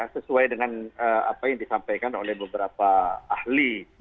sesuai dengan apa yang disampaikan oleh beberapa ahli